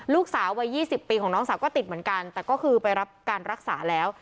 ลูกสาววัย๒๐ปีของน้องสาวก็ติดเหมือนกันแต่ก็คือไปรับการรักษาแล้ว